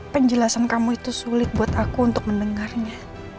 penjelasan kamu itu sulit buat aku untuk mendengarnya